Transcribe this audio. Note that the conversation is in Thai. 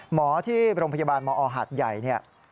หมอที่โรงพยาบาลมอหัดใหญ่